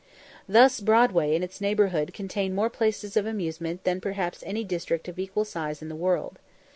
Thus, Broadway and its neighbourhood contain more places of amusement than perhaps any district of equal size in the world.